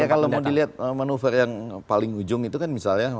ya kalau mau dilihat manuver yang paling ujung itu kan misalnya